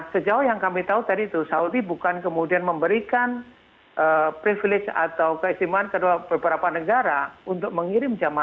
sejauh lagi yang kami tahu saudi tidak menerima keprisininya atau berperan berada di beberapa negara